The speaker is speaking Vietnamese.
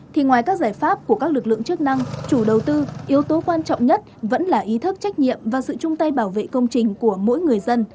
thì ngoài các giải pháp của các lực lượng chức năng chủ đầu tư yếu tố quan trọng nhất vẫn là ý thức trách nhiệm và sự chung tay bảo vệ công trình của mỗi người dân